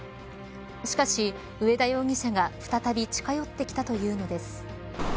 しかし上田容疑者が再び近寄ってきたというのです。